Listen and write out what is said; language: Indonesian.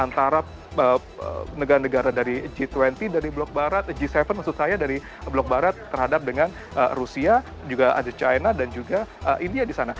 antara negara negara dari g dua puluh dari blok barat g tujuh maksud saya dari blok barat terhadap dengan rusia juga ada china dan juga india di sana